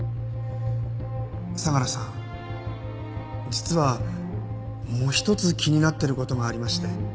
相良さん実はもう一つ気になってる事がありまして。